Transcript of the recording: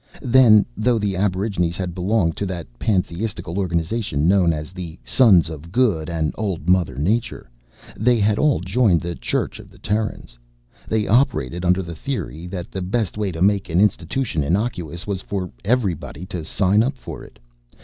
Then, though the aborigines had belonged to that pantheistical organization known as the Sons of Good And Old Mother Nature, they had all joined the Church of the Terrans. They operated under the theory that the best way to make an institution innocuous was for everybody to sign up for it.